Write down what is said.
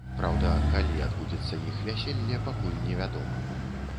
Праўда, калі адбудзецца іх вяселле, пакуль невядома.